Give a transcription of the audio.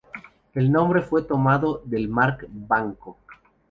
El nombre fue tomado del "Mark Banco".